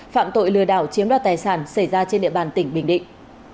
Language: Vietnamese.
phạm tội lừa đảo chiếm đoạt tài sản xảy ra trên địa bàn tỉnh bình định